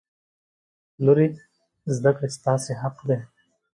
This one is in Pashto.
لورې! زده کړې ستاسې حق دی.